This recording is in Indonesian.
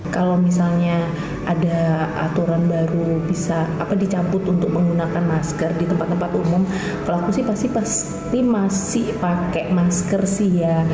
kalau misalnya ada aturan baru bisa dicabut untuk menggunakan masker di tempat tempat umum pelaku sih pasti pasti masih pakai masker sih ya